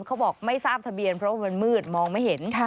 เขาบอกไม่ทราบทะเบียนเพราะว่ามันมืดมองไม่เห็น